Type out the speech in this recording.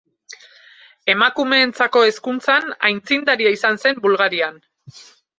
Emakumeentzako hezkuntzan aitzindaria izan zen Bulgarian.